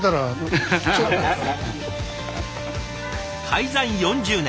開山４０年。